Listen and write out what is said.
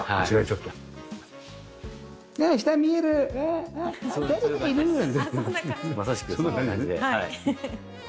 まさしくそんな感じで。